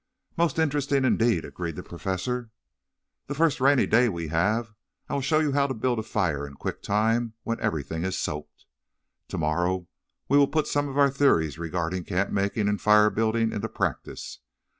"Most interesting indeed," agreed the Professor. "The first rainy day we have I will show you how to build a fire in quick time when everything is soaked. Tomorrow we will put some of our theories regarding camp making and fire building into practice.